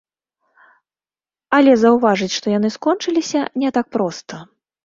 Але заўважыць, што яны скончыліся, не так проста.